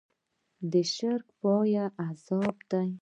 د شرک پای عذاب دی.